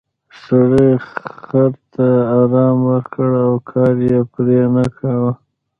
سړي خر ته ارام ورکړ او کار یې پرې نه کاوه.